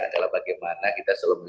adalah bagaimana kita selalu